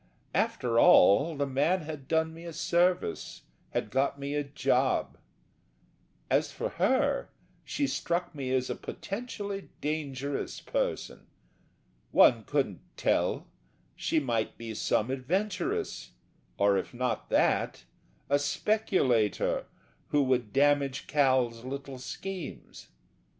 After all, the man had done me a service; had got me a job. As for her, she struck me as a potentially dangerous person. One couldn't tell, she might be some adventuress, or if not that, a speculator who would damage Cal's little schemes.